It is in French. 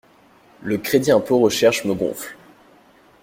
Le crédit impôt recherche me gonfle.